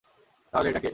তাহলে এটা কে?